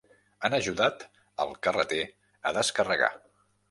Han ajudat el carreter a descarregar.